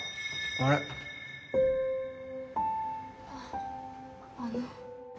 あっあの